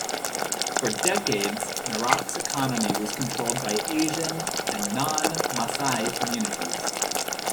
For decades, Narok's economy was controlled by Asian and non-Maasai communities.